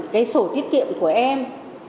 cái sổ tiết kiệm của em